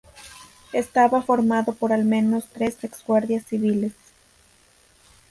Estaba formado por al menos tres ex guardias civiles.